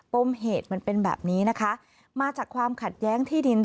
ปมเหตุมันเป็นแบบนี้นะคะมาจากความขัดแย้งที่ดิน